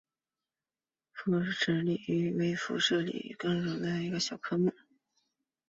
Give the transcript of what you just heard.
复齿脂鲤科为辐鳍鱼纲脂鲤目的一个科。